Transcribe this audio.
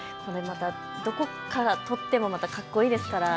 どこから撮ってもかっこいいですから。